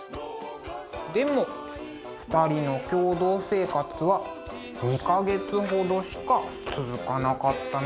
でも２人の共同生活は２か月ほどしか続かなかったみたいです。